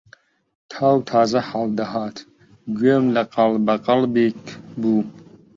تاو تازە هەڵدەهات گوێم لە غەڵبەغەڵبێک بوو